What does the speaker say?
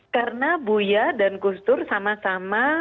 karena bu ya dan gus dur sama sama